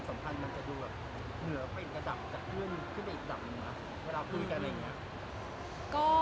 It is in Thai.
ขึ้นไปอีกกระดับหนึ่งหรือเปล่า